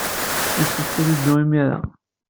Yessefk ad yeddu imir-a.